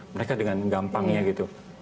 mereka dengan gampangnya gitu